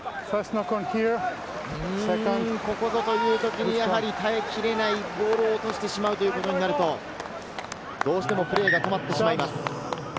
ここぞというときに耐えきれない、ボールを落としてしまうということになると、どうしてもプレーが止まってしまいます。